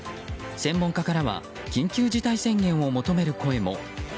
専門家からは緊急事態宣言を求める声も。